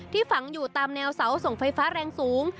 ฝังอยู่ตามแนวเสาส่งไฟฟ้าแรงสูง